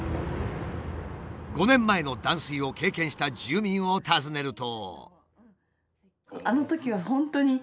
５年前の断水を経験した住民を訪ねると。